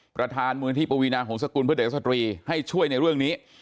ประธานมูลที่ปวีนาหงษกุลเพื่อเด็กสตรีให้ช่วยในเรื่องนี้